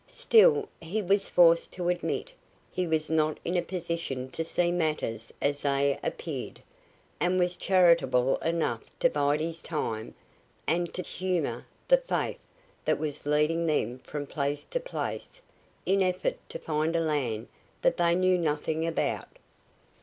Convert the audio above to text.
Still, he was forced to admit, he was not in a position to see matters as they appeared, and was charitable enough to bide his time and to humor the faith that was leading them from place to place in the effort to find a land that they knew nothing about.